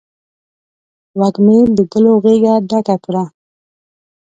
وږمې د ګلو غیږه ډکه کړله